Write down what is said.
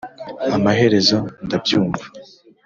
amaherezo ndabyumva